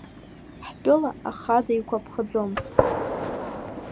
Ҳтәыла ахадаигәаԥхаӡом.